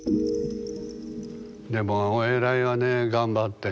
でもお偉いわね頑張って。